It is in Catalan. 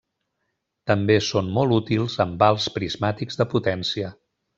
També són molt útils amb alts prismàtics de potència.